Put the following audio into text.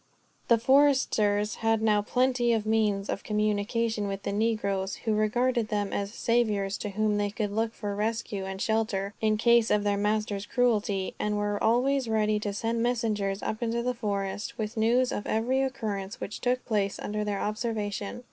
The foresters had now plenty of means of communication with the negroes, who regarded them as saviors, to whom they could look for rescue and shelter, in case of their masters' cruelty; and were always ready to send messengers up into the forest, with news of every occurrence which took place under their observation.